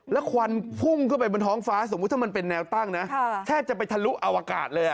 แล้วควันพุ่งขึ้นไปบนท้องฟ้าสมมุติถ้ามันเป็นแนวตั้งนะแทบจะไปทะลุอวกาศเลย